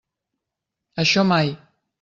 Això mai!